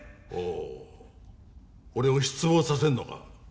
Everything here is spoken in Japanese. ほう俺を失望させるのか